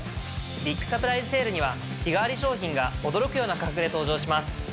ビッグサプライズセールには日替わり商品が驚くような価格で登場します。